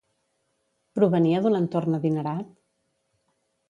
Provenia d'un entorn adinerat?